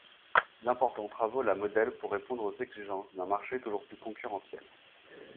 D’importants travaux la modèlent pour répondre aux exigences d’un marché toujours plus concurrentiel.